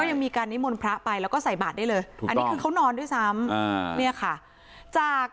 ก็ยังมีการนิ่มวลพระไปแล้วก็ใส่บาต้ได้เลยคือเขานอด้วยซ้ำ